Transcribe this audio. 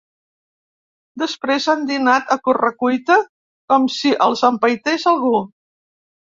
Després han dinat a corre-cuita, com si els empaités algú.